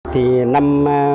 thì năm hai nghìn một mươi bảy